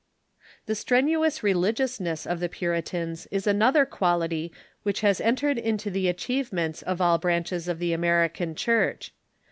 The strenuous religiousness of the Puritans is another qual ity which has entered into the achievements of all branches of . the American Church.